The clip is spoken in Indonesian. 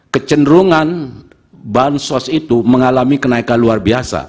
kecenderungan bansos itu mengalami kenaikan luar biasa